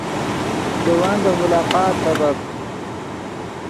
لے ون دے ملاقات سبب